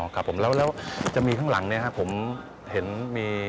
ครับผมแล้วจะมีข้างหลังผมเห็นมี